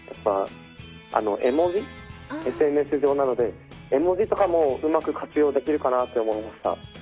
ＳＮＳ上なので絵文字とかもうまく活用できるかなって思いました。